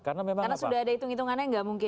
karena sudah ada hitung hitungannya nggak mungkin